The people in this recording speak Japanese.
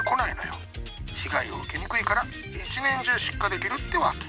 被害を受けにくいから１年中出荷できるってわけ。